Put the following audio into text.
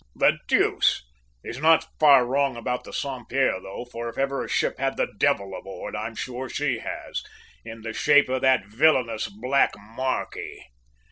"The deuce! he's not far wrong about the Saint Pierre, though, for if ever a ship had the devil aboard, I'm sure she has, in the shape of that villainous black `marquis'!"